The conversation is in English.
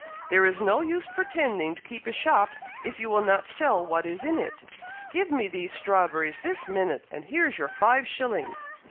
There is no use pretending to keep a shop, if you will not sell what is in it! Give me these strawberries this minute, and here's your five shillings!"